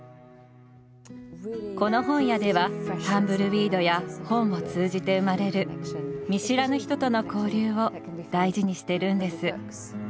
この本屋ではタンブルウィードや本を通じて生まれる見知らぬ人との交流を大事にしてるんです。